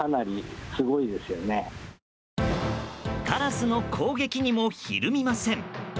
カラスの攻撃にもひるみません。